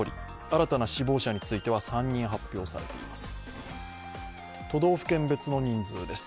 新たな死亡者については３人発表されています。